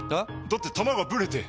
だって球がブレて！